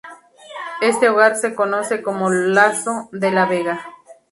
Este hogar se conoce como Lazo de la Vega.